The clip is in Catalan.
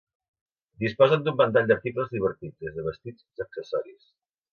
Disposen d'un ventall d'articles divertits, des de vestits fins a accessoris.